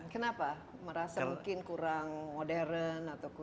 kenapa merasa mungkin kurang modern atau kurang